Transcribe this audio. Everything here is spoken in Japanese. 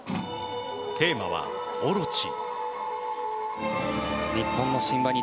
テーマは「大蛇オロチ」。